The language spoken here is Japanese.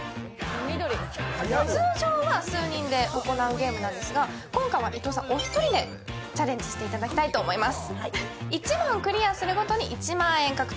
通常は数人で行うゲームなんですが今回は伊藤さんお一人でチャレンジしていただきたいと思います。